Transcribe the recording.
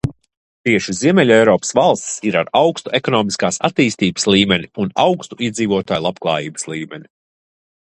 Tieši Ziemeļeiropas valstis ir ar augstu ekonomiskās attīstības līmeni un augstu iedzīvotāju labklājības līmeni.